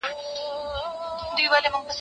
کښېناستل د زده کوونکي له خوا کيږي؟